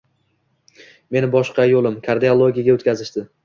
Meni boshqa bo`lim, kardiologiyaga o`tkazishdi